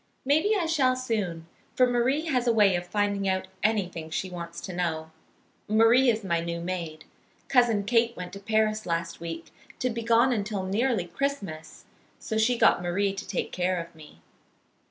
Maybe I shall soon, for Marie has a way of finding out anything she wants to know. Marie is my new maid. Cousin Kate went to Paris last week, to be gone until nearly Christmas, so she got Marie to take care of me.